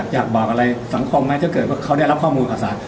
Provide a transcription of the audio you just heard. อยากบอกอะไรสังคมที่เขายังได้รับข่อมูลขอสาว